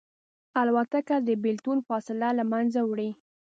الوتکه د بېلتون فاصله له منځه وړي.